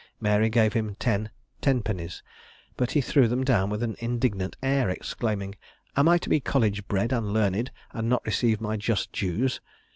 Mary gave him ten tenpennies; but he threw them down with an indignant air, exclaiming, "Am I to be college bred and learned, and not receive my just dues?"